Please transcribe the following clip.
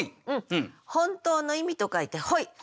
本当の意味と書いて本意。